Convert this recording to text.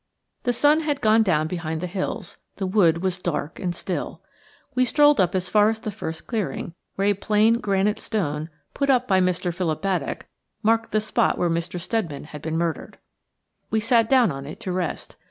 The sun had gone down behind the hills; the wood was dark and still. We strolled up as far as the first clearing, where a plain, granite stone, put up by Mr. Philip Baddock, marked the spot where Mr. Steadman had been murdered. We sat down on it to rest.